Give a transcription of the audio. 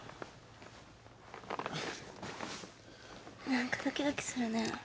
何かドキドキするね。